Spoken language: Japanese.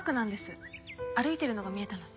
歩いているのが見えたので。